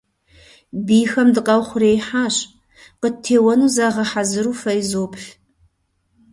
Бийхэм дыкъаухъуреихьащ, къыттеуэну загъэхьэзыру фэ изоплъ.